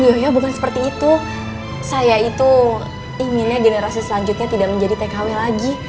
dalam arti tkw itu bukan seperti itu saya itu inginnya generasi selanjutnya tidak menjadi tkw lagi